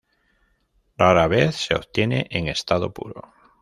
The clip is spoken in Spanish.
Rara vez se obtiene en estado puro.